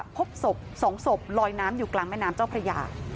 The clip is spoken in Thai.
พบศพ๒ศพลอยน้ำอยู่กลางแม่น้ำเจ้าพระยา